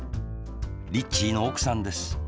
リッチーのおくさんです